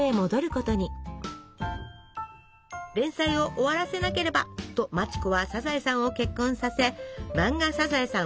「連載を終わらせなければ」と町子はサザエさんを結婚させ漫画「サザエさん」は終了！